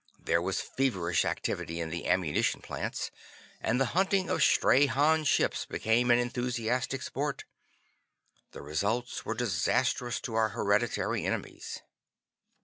There was feverish activity in the ammunition plants, and the hunting of stray Han ships became an enthusiastic sport. The results were disastrous to our hereditary enemies.